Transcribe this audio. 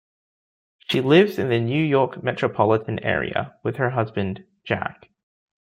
She lives in the New York metropolitan area, with her husband, Jack.